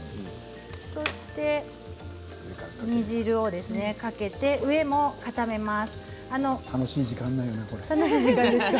そして煮汁をかけて上もかためます。